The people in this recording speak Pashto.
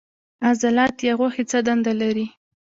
عضلات یا غوښې څه دنده لري